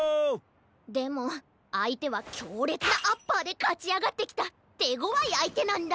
でもあいてはきょうれつなアッパーでかちあがってきたてごわいあいてなんだ。